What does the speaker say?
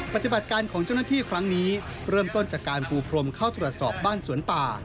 ปฏิบัติการของเจ้าหน้าที่ครั้งนี้เริ่มต้นจากการปูพรมเข้าตรวจสอบบ้านสวนป่า